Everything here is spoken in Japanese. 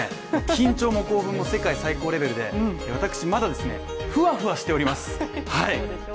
緊張も興奮も世界最高レベルで私、まだふわふわしております。